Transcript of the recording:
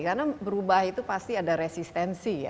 karena berubah itu pasti ada resistensi ya